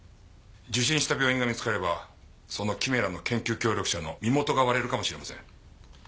受診した病院が見つかればそのキメラの研究協力者の身元が割れるかもしれません。